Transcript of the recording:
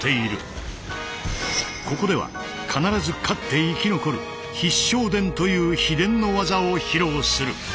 ここでは必ず勝って生き残る「必勝伝」という秘伝の技を披露する。